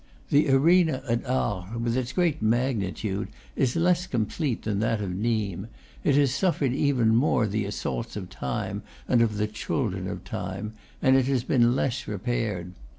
The arena at Arles, with its great magnitude, is less complete than that of Nimes; it has suffered even more the assaults of time and of the children of time, and it has been less repaired.